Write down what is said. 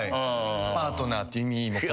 パートナーっていう意味も込めて。